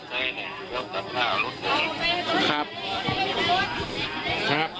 แล้วถังหน้ารถนีครับครับ